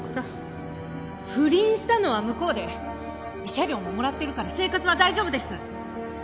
不倫したのは向こうで慰謝料ももらってるから生活は大丈夫です！